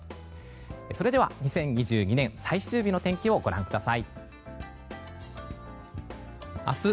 それでは２０２２年最終日の天気をご覧ください。